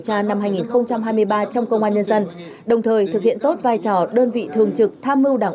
tra năm hai nghìn hai mươi ba trong công an nhân dân đồng thời thực hiện tốt vai trò đơn vị thường trực tham mưu đảng